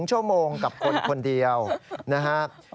๒ชั่วโมงกับคนคนเดียวนะครับ